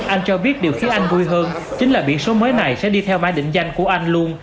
anh cho biết điều khiến anh vui hơn chính là biển số mới này sẽ đi theo máy định danh của anh luôn